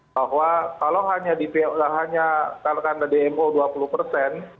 bahwa kalau hanya dmo dua puluh persen